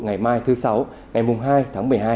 ngày mai thứ sáu ngày hai tháng một mươi hai